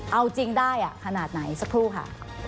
เอาจริงได้ขนาดไหนสักครู่ค่ะ